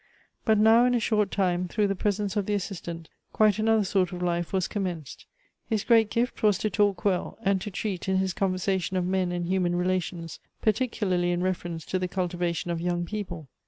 But now in a short time, through the presence of the Assistant, quite another sort of liTe was commenced. His great gift was to talk well, and to treat in his con versation of men and human relations, particularly in reference to "the cultivation of young people.